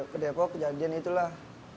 ke depok kejadian itulah